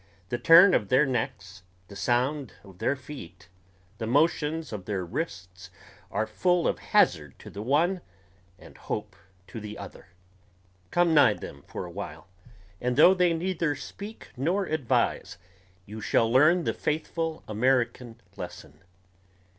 The turn of their necks, the sound of their feet, the motions of their wrists, are full of hazard to the one and hope to the other. Come nigh them awhile and though they neither speak nor advise you shall learn the faithful American lesson.